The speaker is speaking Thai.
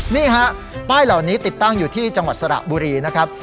นี่ฮะป้ายเหล่านี้ติดตั้งอยู่ที่จังหวัดสระบุรีนะครับ